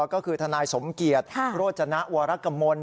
ก็คือทนายสมเกียรติโรจณะวรรกมนต์